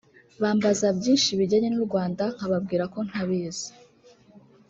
bambaza byinshi bijyanye n’u Rwanda nkababwira ko ntabizi